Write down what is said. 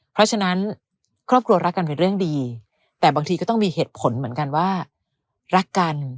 เพราะฉะนั้นครอบครัวรักกันเป็นเรื่องดีแต่บางทีก็ต้องมีเหตุผลเหมือนกันว่ารักกัน